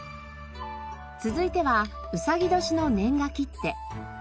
続いては卯年の年賀切手。